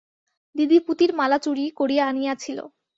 দিদি পুতির মালা চুরি করিয়া আনিয়াছিল।